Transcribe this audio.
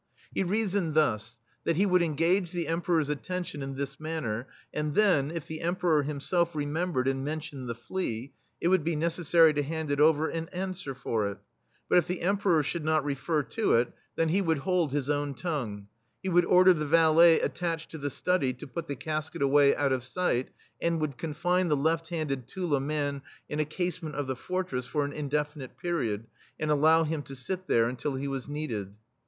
He reasoned thus : that he would engage the Emperor*s attention in this manner, and then, if the Emperor him self remembered and mentioned the flea, it would be necessary to hand it over and answer for it; but if the Em peror should not refer to it, then he would hold his own tongue : he would order the valet attached to the study to put the casket away out of sight, and would confine the left handed Tula man in a casemate of the fortress for an indefinite period, and allow him to sit there until he was needed.